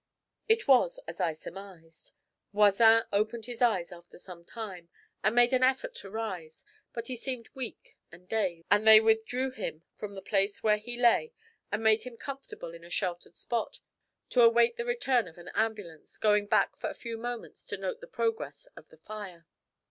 It was as I surmised. Voisin opened his eyes after some time, and made an effort to rise, but he seemed weak and dazed, and they withdrew him from the place where he lay and made him comfortable in a sheltered spot, to await the return of an ambulance, going back for a few moments to note the progress of the fire.